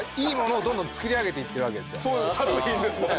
作品ですもんね。